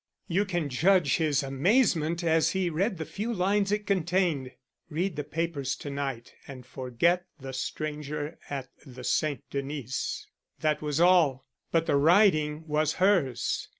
You can judge of his amazement as he read the few lines it contained. Read the papers to night and forget the stranger at the St. Denis. That was all. But the writing was hers.